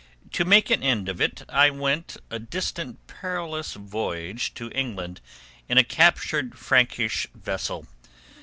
To make an end of it I went a distant perilous voyage to England in a captured Frankish vessel.